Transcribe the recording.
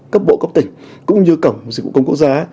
cấp bộ cấp tỉnh cũng như cổng dịch vụ công quốc gia